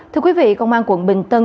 thưa quý vị công an quận bình tân